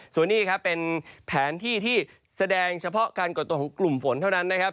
ส่วนนี้ครับเป็นแผนที่ที่แสดงเฉพาะการก่อตัวของกลุ่มฝนเท่านั้นนะครับ